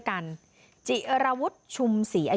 คุยกับตำรวจเนี่ยคุยกับตำรวจเนี่ย